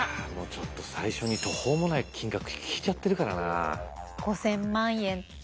ちょっと最初に途方もない金額聞いちゃってるからなあ。